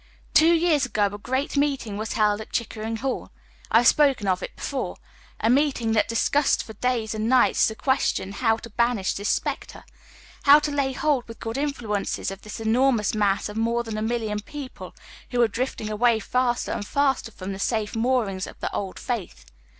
Two years ago a great meeting was held at Chickering Hall — I have spoken of it before — a meeting that dis cussed for days and nights the question liow to banish this spectre; how to lay hold with good influences of this enormous mass of more than a million people, who were drifting away faster and faster from the safe moorings of the old faith.